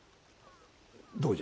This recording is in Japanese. どうじゃ？